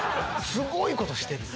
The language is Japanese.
すごいことしてるよ。